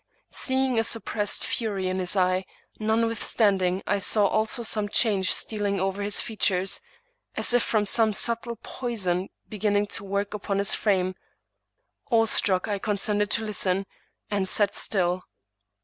Seeing a sup 144 Thomas De Quincey pressed fury in his eye, notwithstanding I saw also some change stealing over his features as if from some subtle poison beginning to work upon his frame, awestruck I con sented to listen, and sat still.